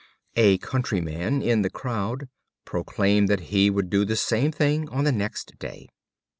A countryman in the crowd proclaimed that he would do the same thing on the next day.